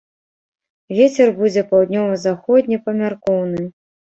Вецер будзе паўднёва-заходні, памяркоўны.